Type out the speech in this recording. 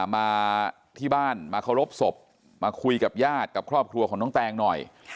มาที่บ้านมาเคารพศพมาคุยกับญาติกับครอบครัวของน้องแตงหน่อย